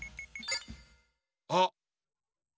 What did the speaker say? あっ！